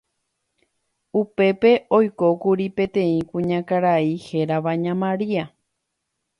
Upépe oikókuri peteĩ kuñakarai hérava ña María.